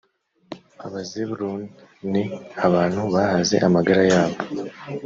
abazebuluni ni abantu bahaze amagara yabo